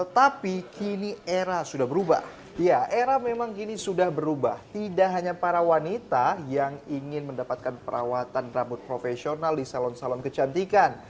tidak hanya para wanita yang ingin mendapatkan perawatan rambut profesional di salon salon kecantikan